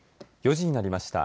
４時になりました。